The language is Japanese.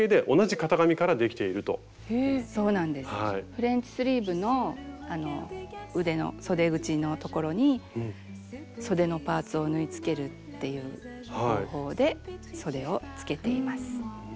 フレンチスリーブの腕のそで口のところにそでのパーツを縫いつけるっていう方法でそでをつけています。